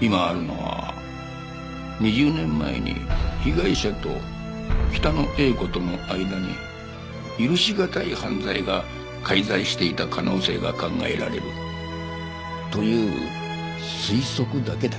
今あるのは２０年前に被害者と北野英子との間に許しがたい犯罪が介在していた可能性が考えられるという推測だけだ。